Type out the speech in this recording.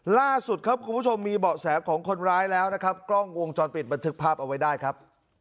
ล่าสุดครับคุณผู้ชมมีเบาะแสของคนร้ายแล้วนะครับกล้องวงจรปิดบันทึกภาพเอาไว้ได้ครับ